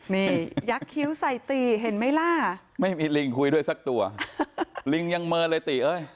นี่ยักษ์คิ้วใส่ตีเห็นไหมล่ะไม่มีลิงคุยด้วยสักตัวลิงยังเมินเลยตีเอ้ย